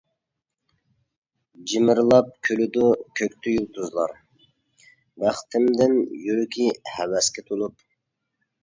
جىمىرلاپ كۈلىدۇ كۆكتە يۇلتۇزلار بەختىمدىن يۈرىكى ھەۋەسكە تولۇپ.